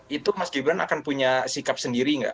itu mas gibran akan punya sikap sendiri nggak